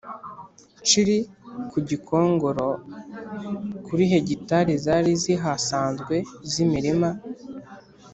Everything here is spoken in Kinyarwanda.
Nshiri ku Gikongoro Kuri hegitari zari zihasanzwe z imirima